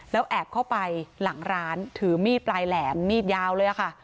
แล้วแอบเข้าไปหลังร้านถือมีดปลายแหลมมีดยาวเลยค่ะ